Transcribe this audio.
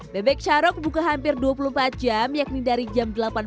bebek carok buka hampir dua puluh empat jam yakni dari jam delapan pagi hingga empat pagi